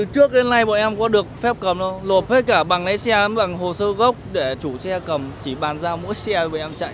trước đến nay bọn em có được phép cầm không lột hết cả bằng lái xe bằng hồ sơ gốc để chủ xe cầm chỉ bàn ra mỗi xe bọn em chạy